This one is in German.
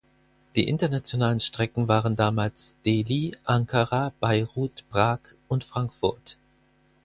Die internationalen Strecken waren damals Delhi, Ankara, Beirut, Prag und Frankfurt.